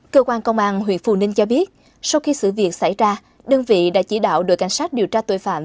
cơ quan công an huyện phù ninh cho biết sau khi sự việc xảy ra đơn vị đã chỉ đạo đội cảnh sát điều tra tội phạm